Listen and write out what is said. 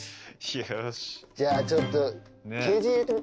じゃあちょっと。